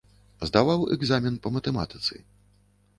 Здаваў экзамен па матэматыцы.